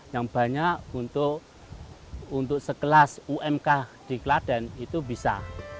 yang banyak untuk sekelas umk di klaten itu bisa